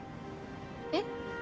えっ？